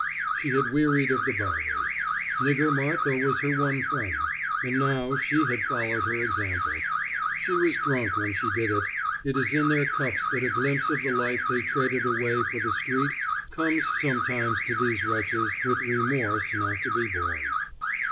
She had wearied of the Bowery. Nigger Martha was her one friend. And now she had followed her example. She was drunk when she did it. It is in their cups that a glimpse of the life they traded away for the street comes sometimes to these wretches, with remorse not to be borne.